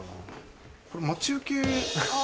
これ待ち受け。